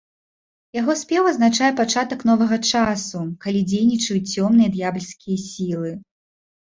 Яго спеў азначае пачатак новага часу, калі дзейнічаюць цёмныя д'ябальскія сілы.